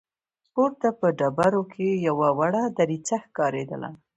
پورته په ډبرو کې يوه وړه دريڅه ښکارېدله.